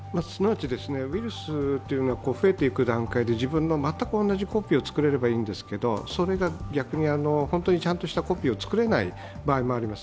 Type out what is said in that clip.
ウイルスというのは増えていく段階で自分の全く同じコピーを作れればいいんですけどそれが逆にちゃんとしたコピーを作れない場合もあります。